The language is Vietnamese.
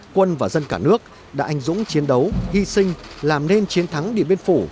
quân và dân cả nước đã anh dũng chiến đấu hy sinh làm nên chiến thắng điện biên phủ